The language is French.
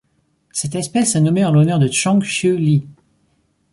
Cette espèce est nommée en l'honneur de Zong-xu Li.